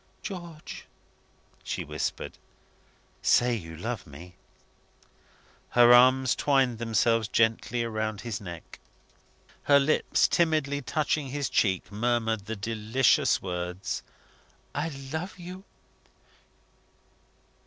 "George!" she whispered. "Say you love me!" Her arms twined themselves gently round his neck. Her lips, timidly touching his cheek, murmured the delicious words "I love you!"